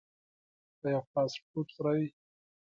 ایا فاسټ فوډ خورئ؟